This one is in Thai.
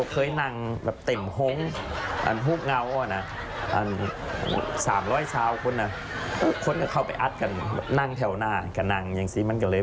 แต่ว่าหุ้มเงาตรงอะไรก็ไม่ถึงมั่นใจ